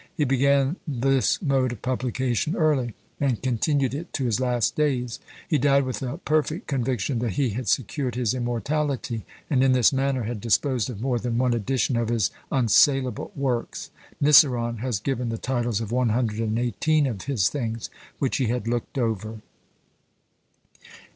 He began this mode of publication early, and continued it to his last days. He died with a perfect conviction that he had secured his immortality; and in this manner had disposed of more than one edition of his unsaleable works. Niceron has given the titles of 118 of his things, which he had looked over.